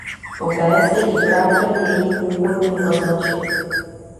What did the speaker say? Poté se jí vrátilo její původní označení.